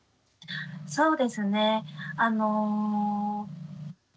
そうですね